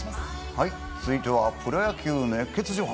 はい、続いてはプロ野球熱ケツ情報。